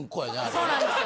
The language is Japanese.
そうなんですよ。